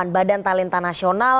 badan talenta nasional